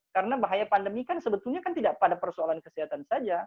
karena bahaya pandemi kan sebetulnya tidak pada persoalan kesehatan saja